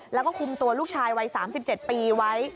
และก็คุมตัวลูกชายวัยสามสิบเจ็ดปีไป